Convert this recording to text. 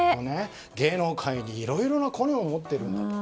芸能界にいろいろなコネを持っているんだと。